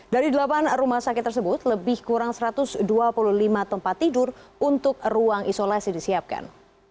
dari delapan rumah sakit tersebut lebih kurang satu ratus dua puluh lima tempat tidur untuk ruang isolasi disiapkan